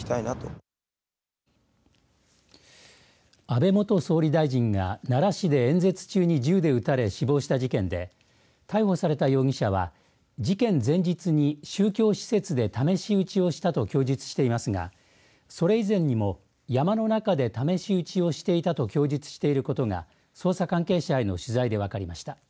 安倍元総理大臣が奈良市で演説中に銃で撃たれ死亡した事件で逮捕された容疑者は事件前日に宗教施設で試し撃ちをしたと供述していますが、それ以前にも山の中で試し撃ちをしていたと供述していることが捜査関係者への取材で分かりました。